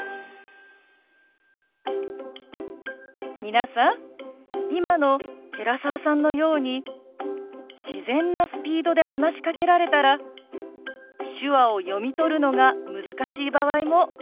皆さん今の寺澤さんのように自然なスピードで話しかけられたら手話を読み取るのが難しい場合もありますよね。